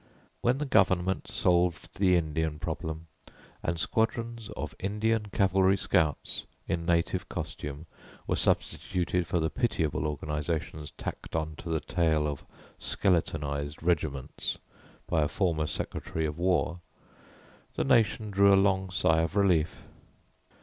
When the Government solved the Indian problem and squadrons of Indian cavalry scouts in native costume were substituted for the pitiable organizations tacked on to the tail of skeletonized regiments by a former Secretary of War, the nation drew a long sigh of relief.